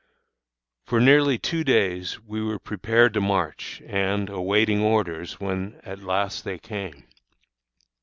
For nearly two days we were prepared to march, and awaiting orders, when at last they came.